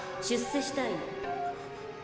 出世したいの。